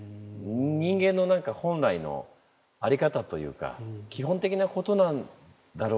人間の何か本来の在り方というか基本的なことなんだろうなと。